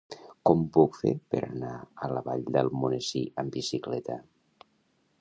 Com ho puc fer per anar a la Vall d'Almonesir amb bicicleta?